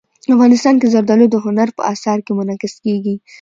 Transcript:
افغانستان کې زردالو د هنر په اثار کې منعکس کېږي.